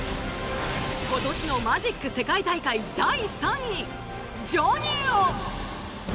今年のマジック世界大会第３位ＪＯＮＩＯ。